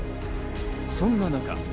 そんな中。